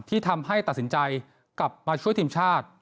ที่ทำให้ตัดสินใจกลับมาช่วยทีมชาติ